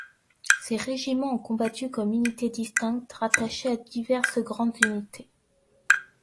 Ses régiments ont combattu comme unités distinctes rattachées à diverses grandes unités.